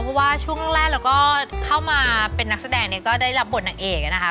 เพราะว่าช่วงแรกเราก็เข้ามาเป็นนักแสดงเนี่ยก็ได้รับบทนางเอกนะคะ